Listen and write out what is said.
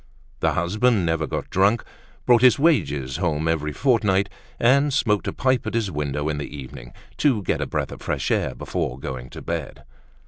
The husband never got drunk, brought his wages home every fortnight, and smoked a pipe at his window in the evening, to get a breath of fresh air before going to bed.